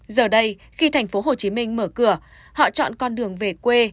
giờ đây khi thành phố hồ chí minh mở cửa họ chọn con đường về quê